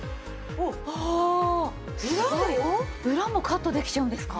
裏もカットできちゃうんですか！？